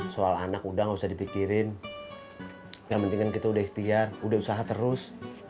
soal anak udah gak usah dipikirin yang penting kan kita udah ikhtiar udah usaha terus